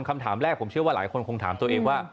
คำถามแรกผมเชื่อว่าหลายคนคงถามตัวเองว่า